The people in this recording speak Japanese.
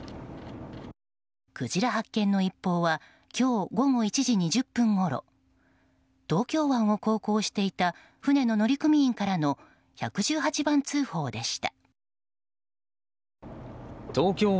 クジラ発見の一報は今日午後１時２０分ごろ東京湾を航行していた船の乗組員からの１１８番通報でした。